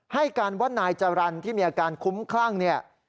ให้การว่านายจรรย์ที่มีอาการคุ้มคลั่งเนี่ย